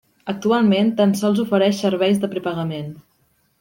Actualment, tan sols ofereix serveis de prepagament.